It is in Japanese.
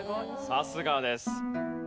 さすがです。